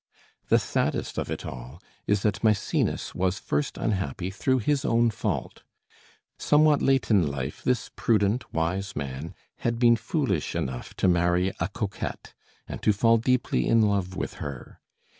The saddest of it all is that Mæcenas was first unhappy through his own fault. Somewhat late in life this prudent, wise man had been foolish enough to marry a coquette, and to fall deeply in love with her.